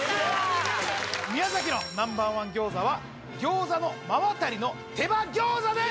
宮崎のＮｏ．１餃子は餃子の馬渡の手羽餃子です！